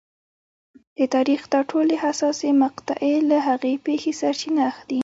د تاریخ دا ټولې حساسې مقطعې له هغې پېښې سرچینه اخلي.